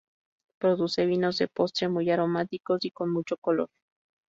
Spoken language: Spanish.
Produce vinos de postre muy aromáticos y con mucho color.